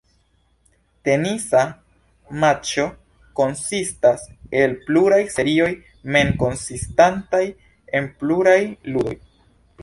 Tenisa matĉo konsistas el pluraj serioj, mem konsistantaj el pluraj ludoj.